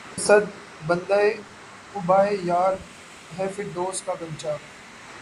اسد! بندِ قباے یار‘ ہے فردوس کا غنچہ